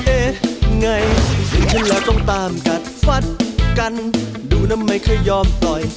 เอ๊ะไงเห็นฉันแล้วต้องตามกัดฟัดกันดูนะไม่เคยยอมปล่อย